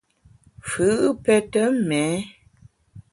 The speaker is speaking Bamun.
Fù’ pète méé.